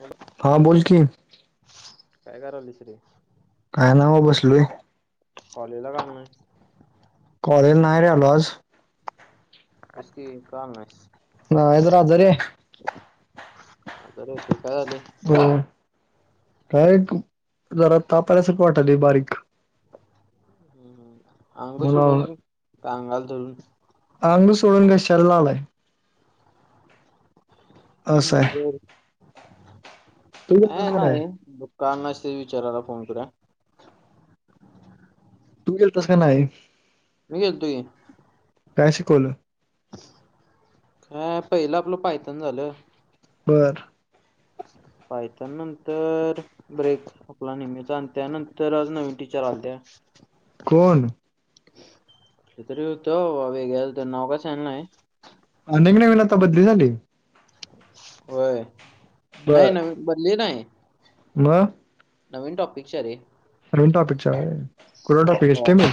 Hello हा बोल की काय करायलास रे? काय नाही बघ बसलोय. कॉलेज ला का आला नाहीस कॉलेज नाही रे आलो आज. तेच की का आला नाहीस बाबा जरा आजारी आहे आजारी आहेस होय काय झालय होय काय जरा ताप आल्यासारखं वाटालय बारीक हम्म हम्म अंग मला सोडून का अंगाला धरून अंग सोडून काशाला आलाय असं हम्म आहे बर तू गेलतास काय का नाही. का आला नाहीस ते विचारायला फोन करुया तू गेलतास का नाही? मी गेलतो की. काय शिकवलं? हा पहिल आपल पायथन झालं. बरं पायथन नंतर ब्रेक. आपला नेहमीचा आणि त्यानंतर आज नवीन टीचर आलत्या कोण? कोण तरी होत बाबा वेगळ्या होत्या नाव काय सांगितलं नाय. अनेक नविन आता बदली झाली. होय नाही बर नवी बदली नाही. मग नवीन टॉपिकच्या रे. नवीन टॉपिकच्या होय कुठंल टाॅपिक आहे हा स्टेमी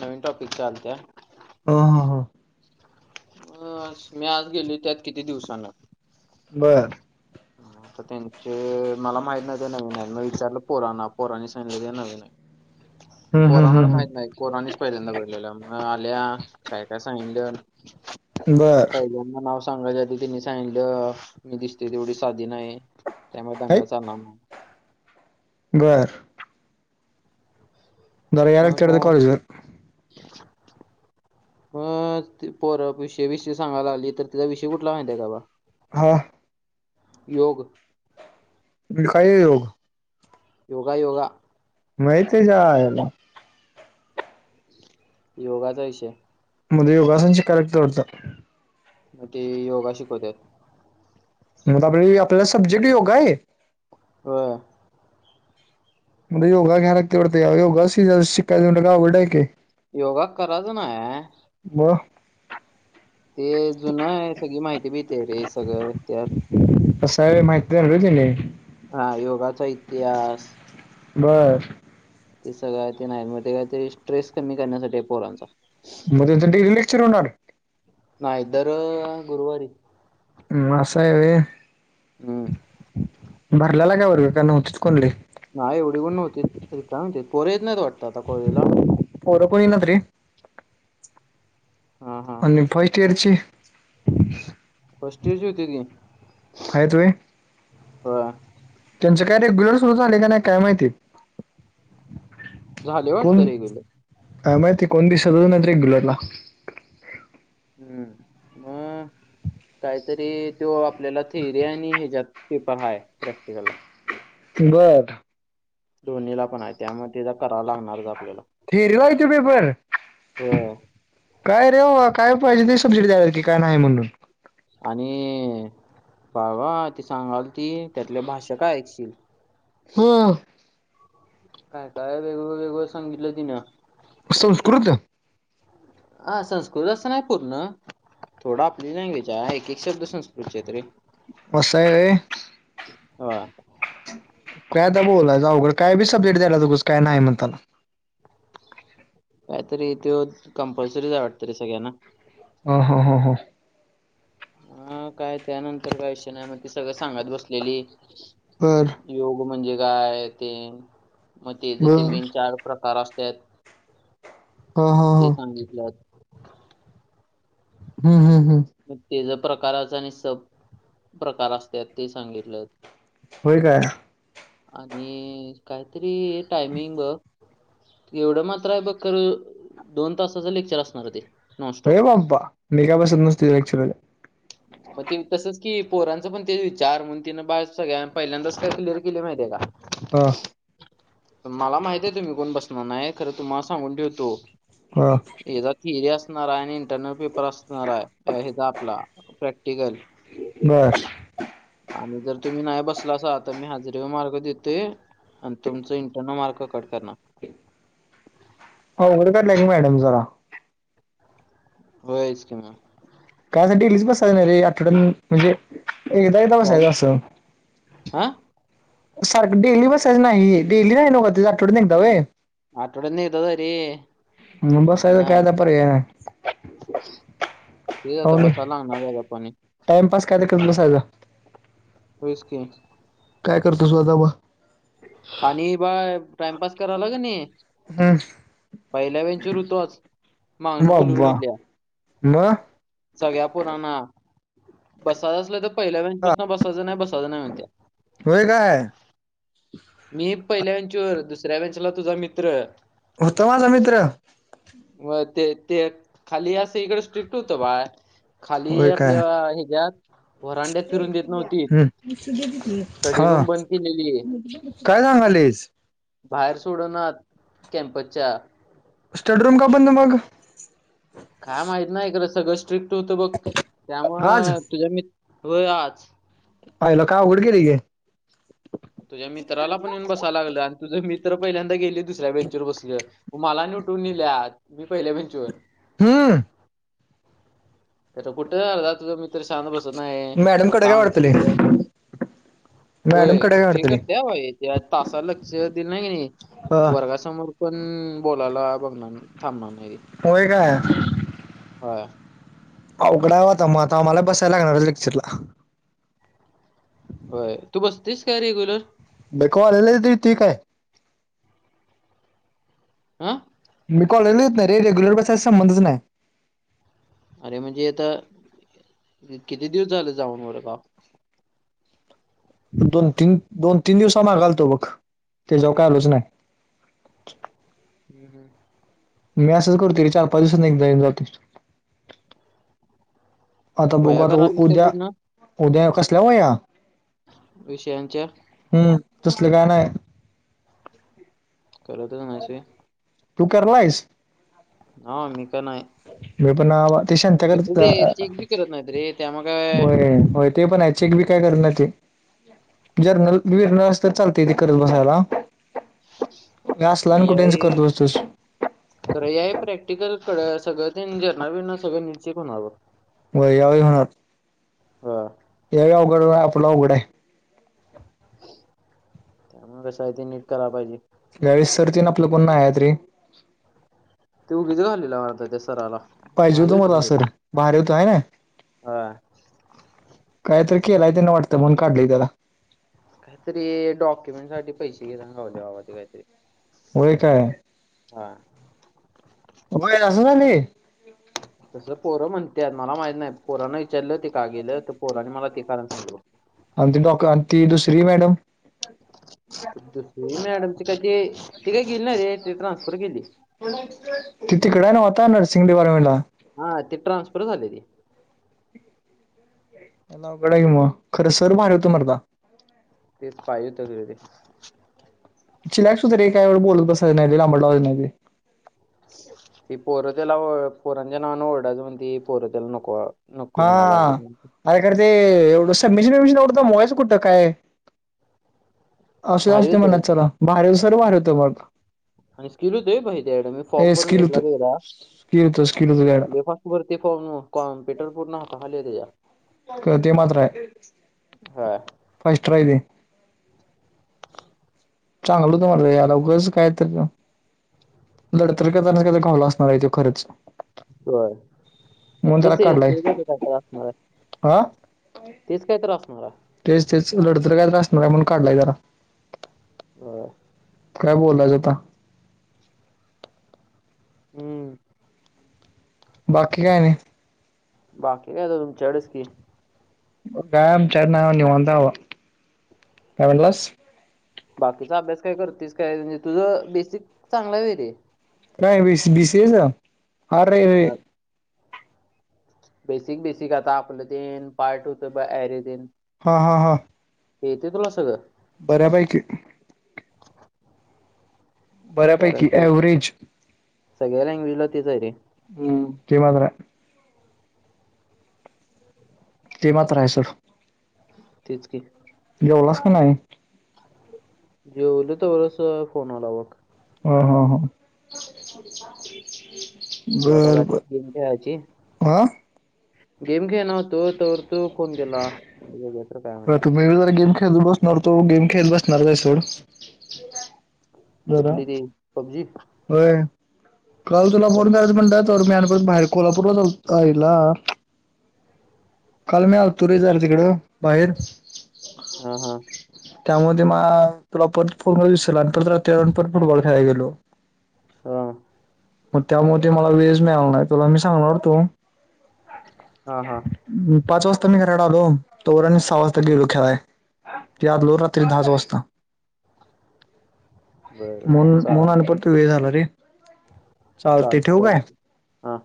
नवीन टॉपिकच्या आलत्या. ह ह ह मी आज गेली त्यात किती दिवसांना. बरं. तर त्यांचे मला माहित नते नवीन आहे मग विचारलं पोराना पोराने सांगले ते नवीन आहे. हम्म, हम्म, पोरानाला हम्म, माहीत हम्म. नाही. पोरोनेच पहिल्यांदा बोललेला मग आल्या काय काय सांगलं. बर पहिल्यांना नाव सांगायच्या तिनी सांगितलं मी दिसते तेवढी साधी नाही. त्यामुळे काय दंगा चालणार. बर. जरा मग यायला कॉलेजवर मग त पोर विषय विषय सांगायला आली तर तिचा विषय कुठला माहितीय का बा हा. योग. तुम्ही काय योग? योग योग. माहित आहे जा आला. योगाचा विषय मध्ये योगासनची करेक्ट होत. मग ते योगा शिकवत्यात. मला बय आपल्याला सब्जेक्ट योगा आहे. ह. मध्ये योगा घ्या लागतंय वाटत यावेळी योगा शिकाय गेलं की अवघड आहे की योगा कराच नाय. [unintelligible] ते जुनं आहे सगळी माहिती मिळत्या रे सगळं त्यात. कसं हाय माहिती वेगळं केलंय. हा योगाचा इतिहास बर. ते सगळं ते नाही मग ते काय तरी स्ट्रेस कमी करण्यासाठी पोरांचा तेचा डेली लेक्चर असतोच. नायदर गुरुवारी म असा आहे होय. हम्म. भरल्याला का ओरियो नव्हतीत कोण रे. नाही एवढी कोण नव्हतीत रिकामं होतीत पोर येत नाहीत वाटत आता कॉलेजला पोर कोण येईनात रे. ह हा. ही फस्ट इअरची फस्ट इअरची होतीत ही आहेत होय. ह. त्यांचे काय रेग्युलर सुरू झाले का नाही काय माहिती? झालंय वाटतं रेग्युलर आ माहिती कोण दिसतच नाहीत रेग्युलरला हम्म मग काहीतरी तो आपल्याला थिअरी आणि ह्याच्यात पेपर हाय प्रॅक्टिकलला बट. दोन्हीला पण आहे त्यामुळे ते जरा करावं लागणारच आपल्याला थेरीला येते पेपर होय. काय रे भावा काय पाहिजे ते सब्जेक्ट द्याल्यात की काय नाही म्हणून आणि बाबा ते सांगाल ती त्यातल्या भाषा काय ऐकशील. हम. काय काय वेगळं वेगळं सांगितलं तिनं. संस्कृत. आ संस्कृत असं. नाही पूर्ण. थोडा आपली लँग्वेज आहे. एक एक शब्द संस्कृतचे येते रे. वसये. हा. काय आता बोलायचं अवघड. काय बी सब्जेक्ट द्याल्यात. उगच काय नाही म्हणताना. काहीतरी तो. कंपल्सरीजे वाटतं रे. सगळ्यांना. ह ह ह ह. हा काय त्यानंतर काय विषय नाही. मग ती सगळ सांगत बसलेली. बर. योग म्हणजे काय ते. मग तेज ते बर मेन चार प्रकार असत्यात. हा हा ते हा सांगितलं. हम्म हम्म हम्म. मग ते ज प्रकारच आणि स प्रकार असत ते सांगितलं. होय काय. आणि काहीतरी टायमिंग एवढं मात्र आहे बघ खर. दोन तासाचं लेक्चर असणार ते. हे नॉनस्टॉप बाप्पा. मी काय बसत नसतो. लेक्चरला. मग ते तसंच की. पोरांचं पण ते विचार. म्हणून तिनं बाळ सगळ्या पहिल्यांदाच. काय क्लिअर केली माहितीये का? ह. मला माहिते. तुम्ही कोण बसणार नाय. खरं तुम्हाला सांगून ठेवतो. का? हचा थिअरी असणार आहे. आणि इंटरनल पेपर असणार आहे. हचा आपला प्रॅक्टिकल. बर. आणि जर तुम्ही नाही बसला असा. तर मी हजरीे मार्क देते. आणि तुमचं इंटरनल मार्क कट करणार. अवघड काढलाय की मॅडम जरा. होयच की म. काय असं डेलीच बसायचं नाही रे. आठवड्यात म्हणजे. ऐगदा ऐगदा चाल बसायचं असं. हा सारखं डेली बसायचं नाही. डेली नाही नव का ते आठवड्यातून ऐगदा होय. आठवड्यातून ऐगदाच हाय रे. मग बसायला काय आता. पर्याय नाय. ते आता बसालाणारेका गपणी. टाइमपास काय तर करत बसायचा. होयस की. काय करतोस आता म. ये बाय टाइमपास कराला कनी. हम्म पहिल्या बॉंच वर होतो आज. मागण बुलून घेतलीया. म. सगळ्या पोराणा. बसाचं असलं त पहिल्या बँच पासून बसायचं. नाही बसायचं नाही म्हणत्या. होय काय. मी पहिल्या बॅंच वर. दुसऱ्या बॅंचला तुझा मित्र. होता माझा मित्र. व्हय. ते ते खाली असं इकडं स्ट्रिक्ट होतं बाय. खाली होय काय आपल्या हच्या्यात. वरांड्यात फिरून देत नव्हती. हम्म स्टडी हा रूम बंद केलेली. काय सांगालीस बाहेर सोड नात. कॅम्पसच्या. स्टडीरूम का बंद मग. काय माहित नाही खरं सगळं स्ट्रिक्ट होतं बघ आज त्यामुळं तुझ्या मित, होय आज. आयला काय अवघड गेलं की. तुझ्या मित्राला पण येऊन बसायला लागलं आणि तुझं मित्र पहिल्यांदा गेले दुसऱ्या बेंचवर बसलं. मला नि उटून नेल्या, मी पहिल्या बेंचवर. हम्म. त्याच कुठे अ तुझ मित्र शांत बसत नाही, मॅडम कडे काय सांगते वाटतले किती वेळा बस. होय मॅडम कडे काय हे वाटतले करते भाई तासाला लक्ष देल नाही नी हा वर्गासमोर पण बोलायला बघणार थांबणार नाही ते. होय काय. होय. अवघड हाय ब आता मग आता आम्हाला बसायला लागणार लेक्चरला. तू बसतीस काय रेग्युलर. [unintelligible] ति काय. आ. मी कॉलेजला येत नाही रे्युलर बसाय संबंधच नाही. अरे म्हणजे आता, किती दिवस झाले जाऊन वर्ग व. दोन-तीन, दोन-तीन दिवसा माग आलतो बघ, तेच्याव काय आलोच नाही. हम्म हम्. मी असंच करतोय चार-पाच दिवसत एकदा येऊन जातोय. आता बघू वह्या आता करालीस काय उद्या, पूर्ण उद्या कसल्या वया? विषयांच्या. हम्म तसले काय नाही. करतच नाहीस वय. तू करलायस. हा मी का नाही. मी पण नाही आबा ते शांत्या [unintelligible] तुझे चेक बी करत नाहीत रे त्यामुळे काय ते पण हाय चेक बी काय करना ते, जर्नल विरनलस तर चालते ते करत बसायला. हे असला आणि कुठेच याई. करत बसतोस खरं या प्रॅक्टिकल कड सगळं तेन जर्नल बर्नल सगळं नीट चेक होणार बघ. वय यावेळी होणार. ह. यावेळी अवघड आपला अवघड आहे. त्यामुळ कस आहे ते नीट कराय पाहिजे. या वळीस सरतेन आपलं कोण नाही आहेत रे. तू [unintelligible] आलेल वाटतं त्या सराला. पाहिजे भारी होतं मला सर बाहेर होतं हाय नाही. होय. कायतरी केलंय ते न वाटतं म्हणून काढलंय त्याला. काहीतरी डॉक्युमेंट साठी पैसे घेतना गावलय बाबा काहीतरी. होय काय? हा. म हे असं झालंय. तसं पोरं म्हणत्यात मला माहित नाही पोरान विचारलं ते का गेलं तर पोराने मला ते कारण सांगितलं. आणि ती डॉ ती दुसरी मॅडम. दुसरी मॅडमची काय ते ती काय गेली नाही रे ती ट्रान्सफर केली. ति तिकड आहे नव आता नरसिंग डिपारमेंला. हा ते ट्रान्सफर झाल ते. आता अवघड आहे की मग खरं सर भारी होत मरदा. तेच पाहिजे होत [unintelligible] चिन्याक सुधरी काय बोलत बसाय नाही लई लांबड लावायचं नाही ते. ती पोरं त्याला ओ पोरांच्या नावानं ओरढाच, म्हणून ती पोर तेला नको. नको म्हणायला हा... लागली अरे खर ते एवढं, समिेशीन बमशीन एवढं तर दमवायचं कुठं काय? असुदे भारी असुदे होतं म्हणला रे चला भारी, सर भारी होते बग. आणि स्किल बी होतं ये भाई त्याकड, मी फॉर्म भरून घेतला होतं तेजा स्किल होतं स्किल होतं लै त्याला फास्ट. वरती फॉर्म, कॉम्प्युटर पूर्ण हाताखाली त्यांच्या. होय. ते मात्र हाय, हा फास्टर हाय ते. चांगलं होत मर्दा याला, उगच काय तर. लढतर करताना कायतर खाला, असणार आहे तो खरंच‌. व्हयं. तेच काढलाय तेज काय तर असणार. हा तेच काय तर‌ आसणाराय. तेच तेच लडतर काय तर, आसणार हाय म्हणून काढलाय जरा. [unintelligible] काय बोलायचं आता. हम्म. बाकी काय आणि. बाकी काय तुमच्याकडच की, काय आमचाकड नाही बा, निवांत आहे बाबा काय म्हटलास. बाकीचा अभ्यास काय करतोस, काय म्हणजे तुझं बेसिक चांगला आहे वेरे. काय बीसीएचा आरे रे. बेसिक बेसिक आता आपलं तेन, पार्ट होतं ब एरे थीन. हा हा हा. ते येतेय तुला सगळं. बऱ्या पैकी. कारण बऱ्यापैकी सग- एव्हरेज सगळ्या लँग्वेजला तेच आहे रे हं ते मात्र ये. ते मात्र आहे सोड. तेच की. जेवलास काय नाही. जेवलो तवरंच, फोन आला बघ. हा हा हा. [unintelligible] बर बर हा गेम खेळणार होतो. तवर तू फोन केलास, मग बघु तर काय म्हणतोय. वर गेम खेळत बस मग तु गेम खेळत बसणार‌ आहे सोड. जरा कुटली ती पब्जी. होय. काल तुला फोन करायचं म्हणल्यात. तर मी आणि परत बाहेर कोल्हापूरला झाल आईला. काल मी आलतो रे, जरा तिकडं बाहेर. हां हां त्यांमध्ये मग तुला परत फोन विसरलो, आणि परत त्या रात्री फुटबॉल खेळाला गेलो. हां. मग त्यामध्ये मला वेळच मिळाल नाही, तुला मी सांगणार होतो. हा हा. पाच वाजता मी घराकड आलो, तोवर आणि सहा वाजता गेलो खेळाय. ते आदलो रात्री दहा वाजता. बरं बरं म्हणू म्हणून आणि चालते परत तुझं हे झाल रे, चालतेय ठेवू काय. हा.